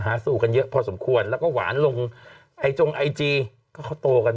สู่กันเยอะพอสมควรแล้วก็หวานลงไอจงไอจีก็เขาโตกัน